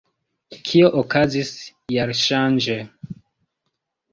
Kio okazis jarŝanĝe?